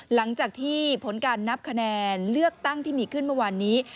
หลังจากที่ผลการนับคะแนนเลือกตั้งที่มีขึ้นเมื่อวานนี้